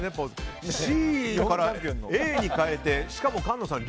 ＣからＡに変えてしかも菅野さん